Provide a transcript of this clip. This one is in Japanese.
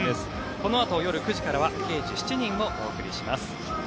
このあと夜９時からは「刑事７人」をお送りします。